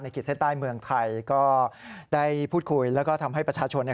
ขีดเส้นใต้เมืองไทยก็ได้พูดคุยแล้วก็ทำให้ประชาชนเนี่ย